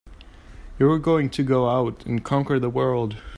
You were going to go out and conquer the world!